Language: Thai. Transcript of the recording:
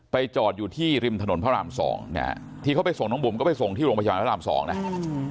จอดอยู่ที่ริมถนนพระรามสองที่เขาไปส่งน้องบุ๋มก็ไปส่งที่โรงพยาบาลพระรามสองนะอืม